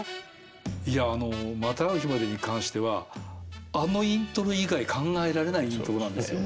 いやあの「またう日まで」に関してはあのイントロ以外考えられないイントロなんですよ。